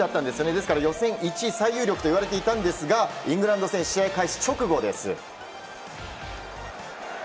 ですから予選１位最有力といわれていたんですがイングランド戦試合開始直後です。